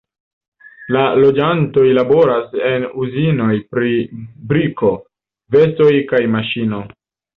La loĝantoj laboras en uzinoj pri briko, vestoj kaj maŝino.